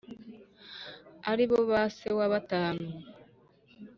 ari bo ba se wa bantu,